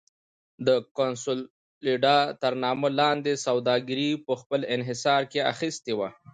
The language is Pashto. د کنسولاډا تر نامه لاندې یې سوداګري په خپل انحصار کې اخیستې وه.